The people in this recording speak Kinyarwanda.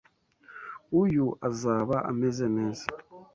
Uyu azaba ameze neza.